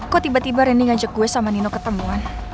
kok tiba tiba rendy ngajak gue sama nino ketemuan